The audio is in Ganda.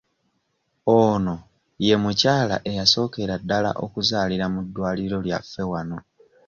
Ono ye mukyala eyasookera ddala okuzaalira mu ddwaliro lyaffe wano.